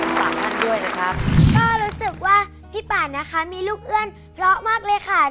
ก็รู้สึกว่าพี่ป่านนะคะมีลูกเอื้อนเพราะมากเลยค่ะ